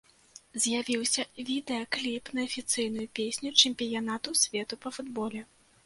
З'явіўся відэакліп на афіцыйную песню чэмпіянату свету па футболе.